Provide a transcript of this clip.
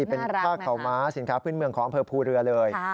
เป็นผ้าขาวม้าสินค้าพื้นเมืองของอำเภอภูเรือเลย